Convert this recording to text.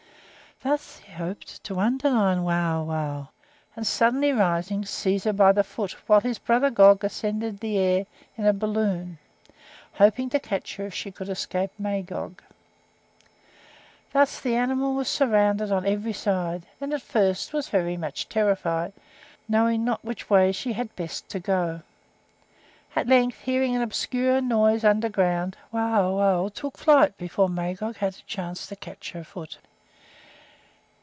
Thus he hoped to undermine Wauwau, and suddenly rising, seize her by the foot, while his brother Gog ascended the air in a balloon, hoping to catch her if she could escape Magog. Thus the animal was surrounded on every side, and at first was very much terrified, knowing not which way she had best to go. At length hearing an obscure noise under ground, Wauwau took flight before Magog could have time to catch her by the foot.